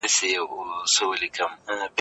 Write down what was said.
زه به په راتلونکي کې یو سمارټ کور ډیزاین کړم.